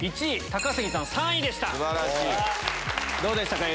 １位高杉さん３位でした。